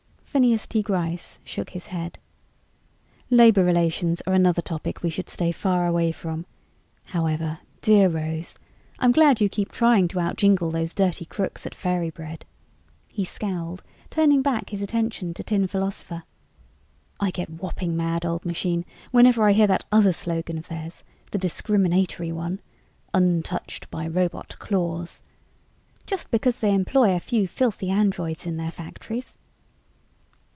Phineas T. Gryce shook his head. "Labor relations are another topic we should stay far away from. However, dear Rose, I'm glad you keep trying to outjingle those dirty crooks at Fairy Bread." He scowled, turning back his attention to Tin Philosopher. "I get whopping mad, Old Machine, whenever I hear that other slogan of theirs, the discriminatory one 'Untouched by Robot Claws.' Just because they employ a few filthy androids in their factories!"